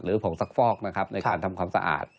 ผงซักฟอกนะครับในการทำความสะอาด